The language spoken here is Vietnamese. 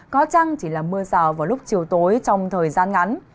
có chăng chỉ là mưa rào vào lúc chiều tối trong thời gian ngắn